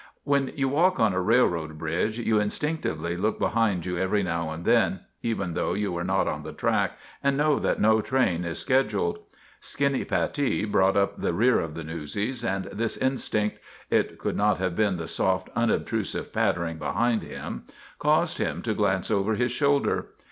When you walk on a railroad bridge you in stinctively look behind you every now and then, even though you are not on the track and know that no train is scheduled. Skinny Pattee brought up the rear of the newsies, and this instinct (it could not have been the soft, unobtrusive pattering behind him) caused him to glance over his shoulder.